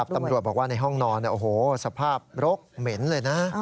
ตำรวจบอกว่าในห้องนอนสภาพรกเหม็นเลยนะ